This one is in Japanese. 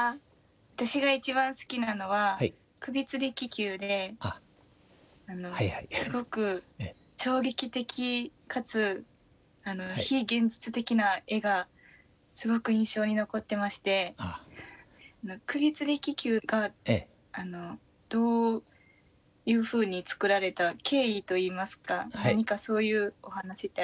私が一番好きなのは「首吊り気球」ですごく衝撃的かつ非現実的な絵がすごく印象的に残ってまして「首吊り気球」がどういうふうに作られた経緯といいますか何かそういうお話ってありますか？